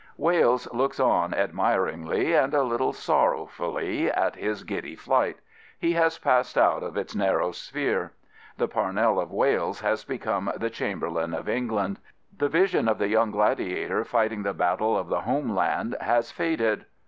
Wales looks on, admiringly and a little sorrow fully, at his giddy flight. He has passed out of its narrow sphere. The Parnell of Wales has become the Chamberlain of England. The vision of the young gladiator fighting the battle of the homeland has faded.